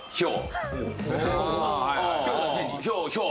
ひょうひょう。